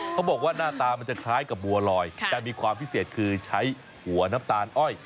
เขาบอกว่าหน้าตามันจะคล้ายกับบัวลอยแต่มีความพิเศษคือใช้หัวน้ำตาลอ้อย